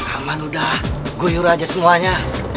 aman udah guyur aja semuanya